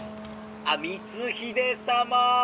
「あっ光秀様！